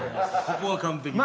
ここは完璧です。